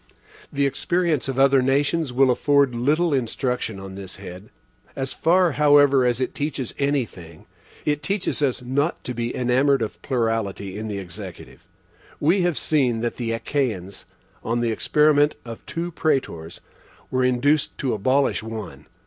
The experience of other nations will afford little instruction on this head. As far, however, as it teaches any thing, it teaches us not to be enamoured of plurality in the Executive. We have seen that the Achaeans, on an experiment of two Praetors, were induced to abolish one.